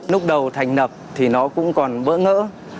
lúc đầu thành lập thì nó cũng còn bỡ ngỡ